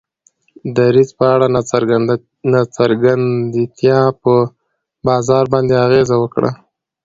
دریځ په اړه ناڅرګندتیا په بازار باندې اغیزه وکړه.